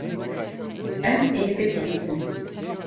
Em ê bibihîzin.